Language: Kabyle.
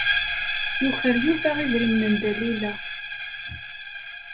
Yuker Yuba idrimen n Dalila.